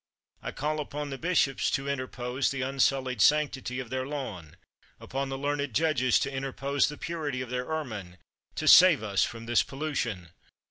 I call upon the Bishops to interpose the unsullied sanctity of their lawn ; upon the learned judges, to interpose the purity of their ermine, to save us from this pollution.